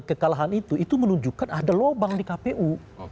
kekalahan itu itu menunjukkan ada lubang di kpu